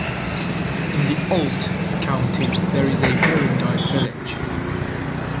In the Olt county there is a Berindei village.